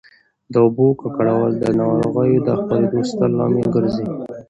د اوبو ککړول د ناروغیو د خپرېدو ستر لامل ګرځي.